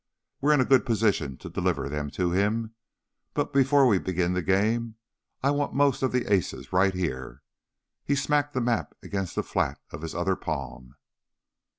We're in a good position to deliver them to him, but before we begin the game, I want most of the aces right here " He smacked the map against the flat of his other palm.